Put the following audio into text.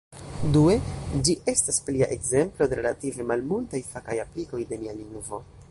Due, ĝi estas plia ekzemplo de relative malmultaj fakaj aplikoj de nia lingvo.